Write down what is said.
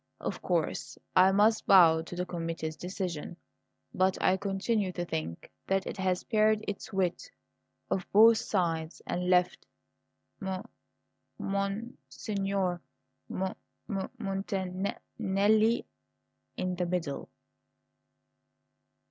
Of course I must bow to the committee's decision, but I continue to think that it has pared its wit o' both sides and left M mon signor M m montan n nelli in the middle."